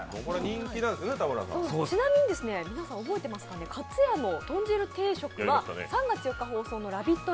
ちなみに皆さん覚えてますか、かつやの豚汁定食は３月４日放送のラヴィット！